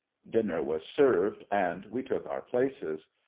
Dinner was served, and we took our places.